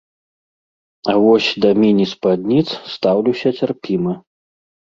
А вось да міні-спадніц стаўлюся цярпіма.